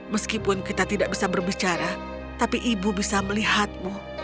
meskipun kita tidak bisa berbicara tapi ibu bisa melihatmu